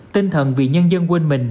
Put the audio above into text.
tinh thần vì nhân dân quên mình